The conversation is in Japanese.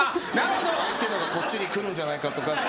相手のがこっちに来るんじゃないかとか。